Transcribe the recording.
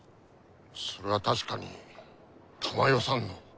それは確かに珠世さんの。